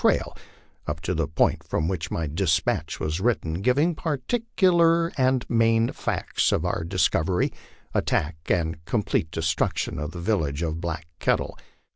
trail, up to the point from which my despatch was written, giving particularly the main facts of our discovery, attack, and complete destruction of the village of Black Kettle.